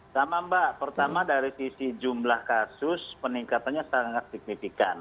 sama mbak pertama dari sisi jumlah kasus peningkatannya sangat signifikan